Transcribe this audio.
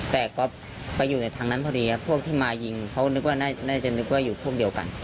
แต่ก็ไปอยู่ในทางนั้นพอดีครับพวกที่มายิงเขานึกว่าน่าจะนึกว่าอยู่พวกเดียวกัน